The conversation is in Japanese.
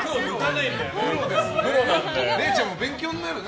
れいちゃん勉強になるね。